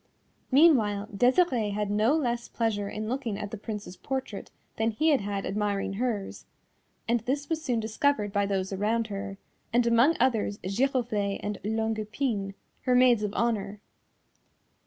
Meanwhile Desirée had no less pleasure in looking at the Prince's portrait than he had had admiring hers, and this was soon discovered by those around her, and among others Giroflée and Longue Epine, her maids of honour.